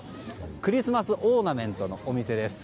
クリスマスオーナメントのお店です。